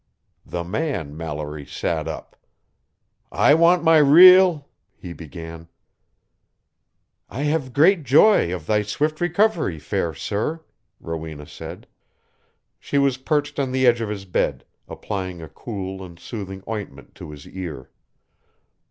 The man Mallory sat up. "I want my real " he began. "I have great joy of thy swift recovery, fair sir," Rowena said. She was perched on the edge of his bed, applying a cool and soothing ointment to his ear.